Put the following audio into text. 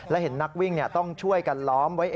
และเห็นนักวิ่งต้องช่วยกันล้อมไว้